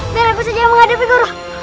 jangan aku saja yang menghadapi guru